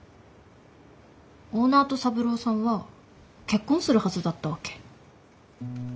オーナーと三郎さんは結婚するはずだったわけ。